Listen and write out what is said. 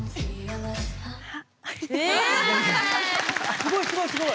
すごいすごいすごい！